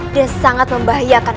dan sangat membahayakan